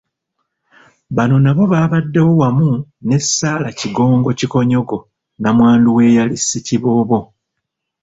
Bano nabo baabaddewo wamu ne Sarah Kigongo Kikonyogo Nnamwandu w'eyali Ssekiboobo.